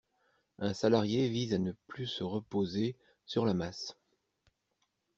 Un salarié vise à ne plus se reposer sur la masse.